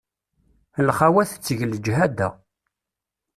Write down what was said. Lxawa tettegg leǧhada.